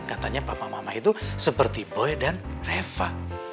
katanya papa mama itu seperti boy dan reva